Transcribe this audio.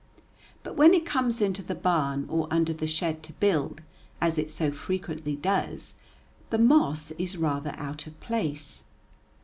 But when it comes into the barn or under the shed to build, as it so frequently does, the moss is rather out of place.